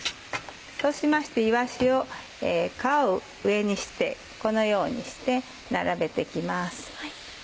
そうしましていわしを皮を上にしてこのようにして並べて行きます。